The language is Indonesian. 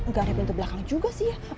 nggak ada pintu belakang juga sih ya